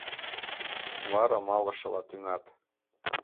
Вара малышыла тӱҥат.